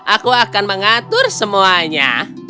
aku akan mengatur semuanya